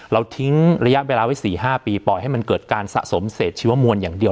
ทิ้งระยะเวลาไว้๔๕ปีปล่อยให้มันเกิดการสะสมเศษชีวมวลอย่างเดียว